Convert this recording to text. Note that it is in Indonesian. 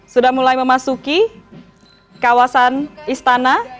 sudah mulai memasuki kawasan istana